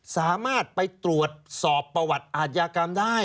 สามารถไปตรวจสอบประวัติอาทยากรรมได้